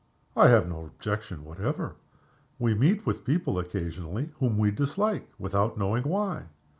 "I have no objection whatever. We meet with people occasionally whom we dislike without knowing why.